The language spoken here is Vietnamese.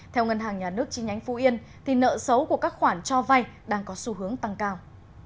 theo ngân hàng nhà nước chi nhánh phú yên nợ xấu của các khoản cho vay đang có xu hướng tăng cao